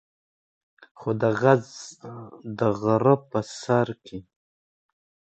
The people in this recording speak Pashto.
خو د غرۀ پۀ سر کښې